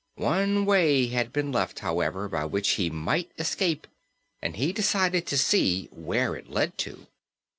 One way had been left, however, by which he might escape and he decided to see where it led to.